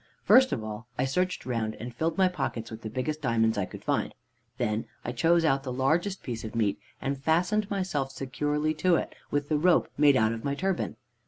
"First of all I searched around, and filled all my pockets with the biggest diamonds I could find. Then I chose out the largest piece of meat and fastened myself securely to it, with the rope made out of my turban.